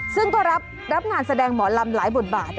ซึ่งก็รับงานแสดงหมอลำหลายบทบาท